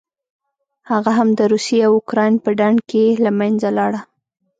هغه هم د روسیې او اوکراین په ډنډ کې له منځه لاړه.